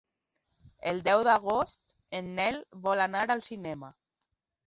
El deu d'agost en Nel vol anar al cinema.